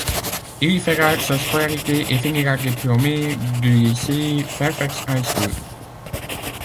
Il y fera sa scolarité et finira diplômé du lycée Fairfax High School.